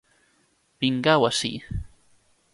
Vingau ací.